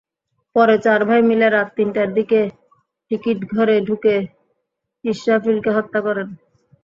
পরে চার ভাই মিলে রাত তিনটার দিকে টিকিটঘরে ঢুকে ইসরাফিলকে হত্যা করেন।